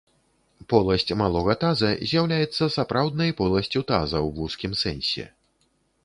Поласць малога таза з'яўляецца сапраўднай поласцю таза ў вузкім сэнсе.